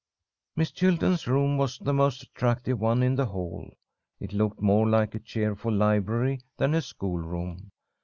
Miss Chilton's room was the most attractive one in the Hall. It looked more like a cheerful library than a schoolroom.